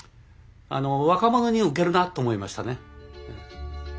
若者に受けるなと思いましたね。